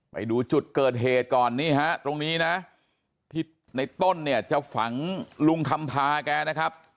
ไปดูจุดเกิดเหตุก่อนนี่ฮะตรงนี้นะที่ในต้นเนี่ยจะฝังลุงคำพาแกนะครับ